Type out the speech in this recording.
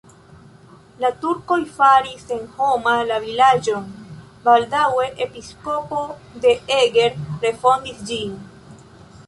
La turkoj faris senhoma la vilaĝon, baldaŭe episkopo de Eger refondis ĝin.